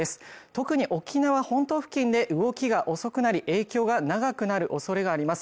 特に沖縄本島付近で動きが遅くなり影響が長くなる恐れがあります